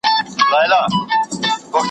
زما له وروره دې خپل کور وتښتوونه